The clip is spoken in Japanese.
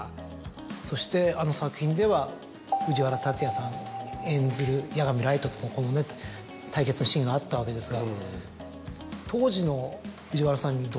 そしてあの作品では藤原竜也さん演ずる夜神月との対決シーンがあったわけですが。